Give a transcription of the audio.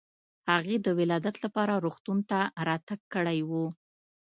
هغې د ولادت لپاره روغتون ته راتګ کړی و.